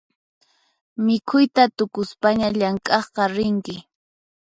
Mikhuyta tukuspaña llamk'aqqa rinki